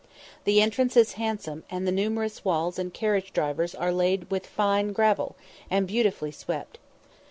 The entrance is handsome, and the numerous walls and carriage drives are laid with fine gravel, and beautifully swept.